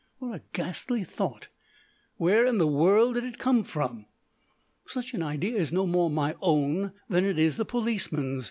What a ghastly thought! Where in the world did it come from? Such an idea is no more my own than it is the policeman's.